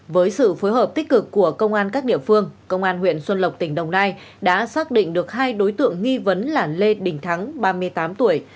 với sự phối hợp tích cực của công an các địa phương công an huyện xuân lộc tỉnh đồng nai đã xác định được hai đối tượng nghi vấn là lê đình thắng ba mươi tám tuổi